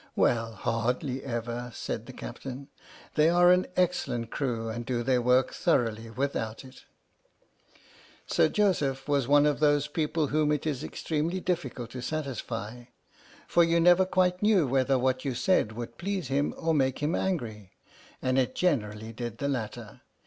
"Well, hardly ever," said the Captain, "they are an excellent crew, and do their work thoroughly without it." 45 H.M.S. "PINAFORE" Sir Joseph was one of those people whom it is extremely difficult to satisfy, for you never quite knew whether what you said would please him or make him angry, and it generally did the latter.